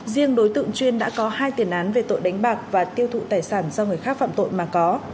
riêng đối tượng chuyên đã có hai tiền án về tội đánh bạc và tiêu thụ tài sản do người khác phạm tội mà có